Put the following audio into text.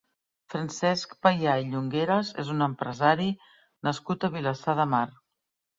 Francesc Payà i Llongueras és un empresari nascut a Vilassar de Mar.